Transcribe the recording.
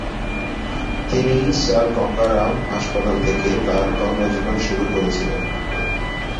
তিনি স্যার গঙ্গা রাম হাসপাতাল থেকে তার কর্মজীবন শুরু করেছিলেন।